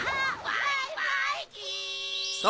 バイバイキン！